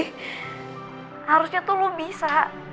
harusnya tuh lo bisa